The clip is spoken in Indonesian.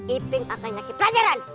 iping akan ngasih pelajaran